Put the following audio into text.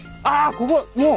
ここもう。